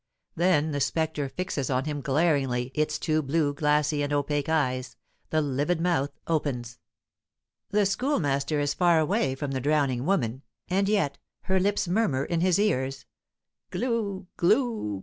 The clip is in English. Then the spectre fixes on him glaringly its two blue, glassy, and opaque eyes; the livid mouth opens. The Schoolmaster is far away from the drowning woman, and yet her lips murmur in his ears, "Glou! glou!